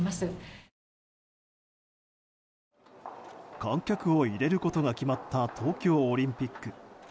観客を入れることが決まった東京オリンピック。